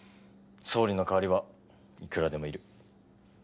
総理の代わりはいくらでもいる。